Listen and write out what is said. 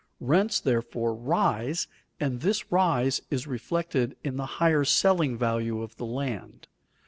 Rents therefore rise, and this rise is reflected in the higher selling value of the land.